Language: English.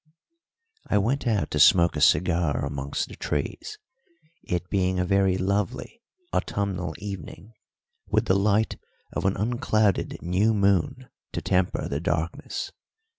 I went out to smoke a cigar amongst the trees, it being a very lovely autumnal evening, with the light of an unclouded new moon to temper the darkness.